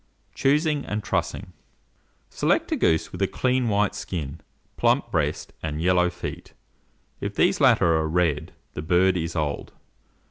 Choosing and Trussing. Select a goose with a clean white skin, plump breast, and yellow feet: if these latter are red, the bird is old.